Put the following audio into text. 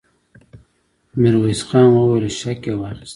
ميرويس خان وويل: شک يې واخيست!